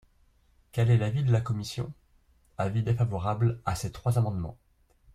Quel est l’avis de la commission ? Avis défavorable à ces trois amendements.